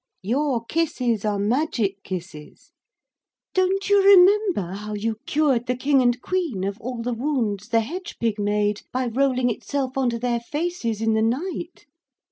Your kisses are magic kisses. Don't you remember how you cured the King and Queen of all the wounds the hedge pig made by rolling itself on to their faces in the night?'